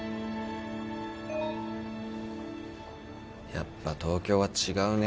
やっぱ東京は違うね。